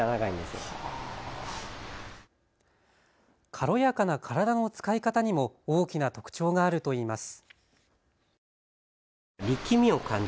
軽やかな体の使い方にも大きな特長があるといいます。